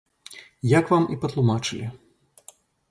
Як вам і патлумачылі.